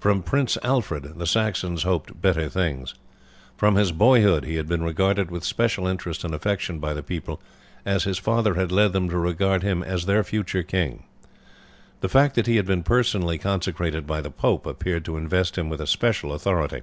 From Prince Alfred the Saxons hoped better things. From his boyhood he had been regarded with special interest and affection by the people, as his father had led them to regard him as their future king. The fact that he had been personally consecrated by the pope appeared to invest him with a special authority.